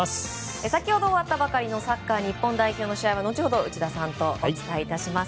先ほど終わったばかりのサッカー日本代表の試合は後ほど内田さんとお伝えいたします。